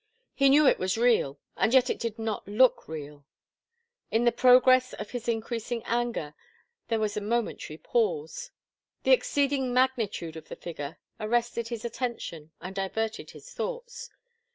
He knew it was real, and yet it did not look real. In the progress of his increasing anger there was a momentary pause. The exceeding magnitude of the figure arrested his attention and diverted his thoughts.